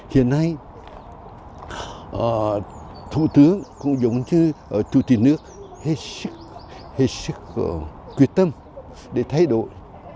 hiện nay thủ tướng cũng giống như thủ tỉ nước hết sức quyết tâm để thay đổi